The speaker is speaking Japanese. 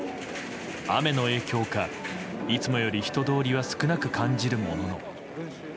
雨の影響かいつもより人通りは少なく感じるものの。